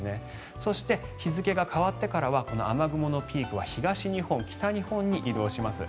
そして日付が変わってからはこの雨雲のピークは東日本、北日本に移動します。